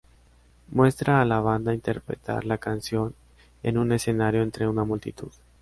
Muestra a la banda interpretar la canción en un escenario entre una multitud.